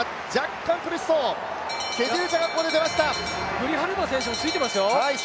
グリハルバ選手もついてますよ。